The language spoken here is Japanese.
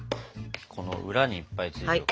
この裏にいっぱいついてるから。